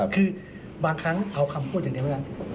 คือบางครั้งเอาคำพูดอย่างเดียวไม่ได้